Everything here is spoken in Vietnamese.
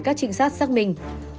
các trinh sát xác minh